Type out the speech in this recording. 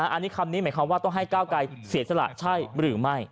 อันนี้คำนี้หมายความว่าต้องให้ก้าวไกลเสียสละใช่หรือไม่